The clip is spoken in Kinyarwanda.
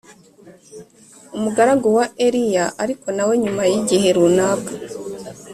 umugaragu wa eliya ariko na we nyuma y igihe runaka